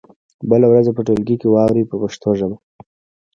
بله ورځ یې په ټولګي کې واورئ په پښتو ژبه.